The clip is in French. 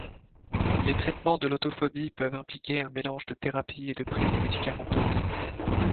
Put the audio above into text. Les traitements de l'autophobie peuvent impliquer un mélange de thérapies et de prises médicamenteuses.